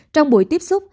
trong buổi tiếp xúc